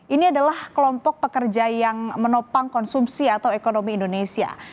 ini adalah kelompok pekerja yang menopang konsumsi atau ekonomi indonesia